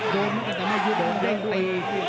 โดมอีกแต่ไม่ยุบโดมเด้งตี